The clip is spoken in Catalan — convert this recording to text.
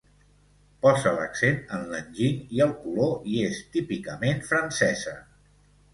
Posa l'accent en l'enginy i el color, i és típicament francesa.